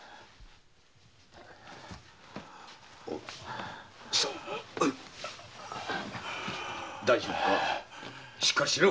おい大丈夫かしっかりしろ。